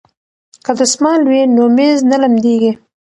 که دستمال وي نو میز نه لمدیږي.